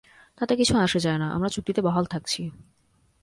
তাতে কিছু আসে যায় না, আমরা চুক্তিতে বহাল থাকছি।